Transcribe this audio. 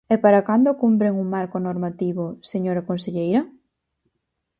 ¿E para cando cumpren un marco normativo, señora conselleira?